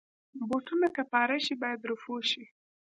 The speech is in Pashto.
بوټونه که پاره شي، باید رفو شي.